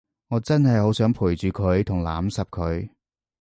我真係好想陪住佢同攬實佢